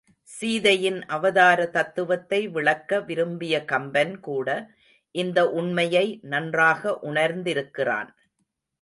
சீதையின் அவதார தத்துவத்தை விளக்க விரும்பிய கம்பன் கூட இந்த உண்மையை நன்றாக உணர்ந்திருக்கிறான்.